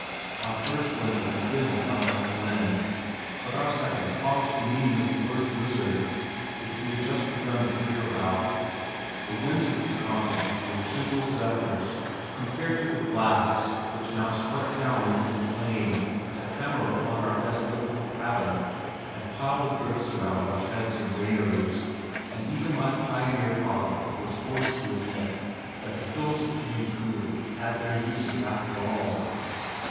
Our first winter had been without much wind but our second taught us the meaning of the word "blizzard" which we had just begun to hear about. The winds of Wisconsin were "gentle zephyrs" compared to the blasts which now swept down over the plain to hammer upon our desolate little cabin and pile the drifts around our sheds and granaries, and even my pioneer father was forced to admit that the hills of Green's Coulee had their uses after all.